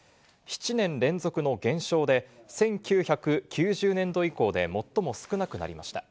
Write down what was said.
７年連続の減少で、１９９０年度以降で最も少なくなりました。